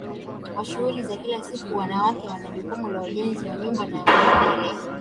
wa shughuli za kila siku Wanawake wana jukumu la ujenzi wa nyumba na vilevile